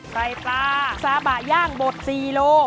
ปลาซาบะย่างบด๔โล